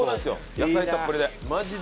野菜たっぷりで。